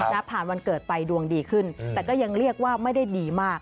ผ่านวันเกิดไปดวงดีขึ้นแต่ก็ยังเรียกว่าไม่ได้ดีมาก